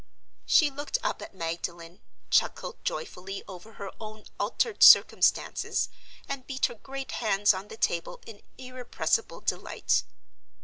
She looked up at Magdalen, chuckled joyfully over her own altered circumstances, and beat her great hands on the table in irrepressible delight.